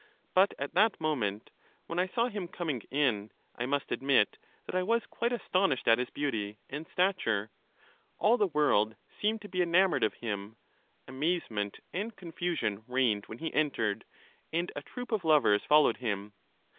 But at that moment, when I saw him coming in, I must admit that I was quite astonished at his beauty and CHARMIDES 9 stature; all the world seemed to be enamored of him; amazement and confusion reigned when he entered; and a troop of lovers followed him.